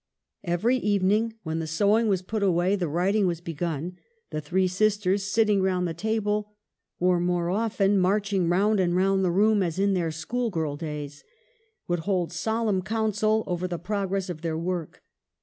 Every evening when the sewing was put away the writing was begun, the three sisters, sitting round the table, or more often marching round and round the room as in their schoolgirl days, would hold solemn council over the progress of their work.